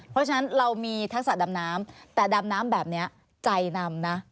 เพราะฉะนั้นเรามีทักษะดำน้ำแต่ดำน้ำแบบนี้ใจนำนะ